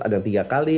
ada yang tiga kali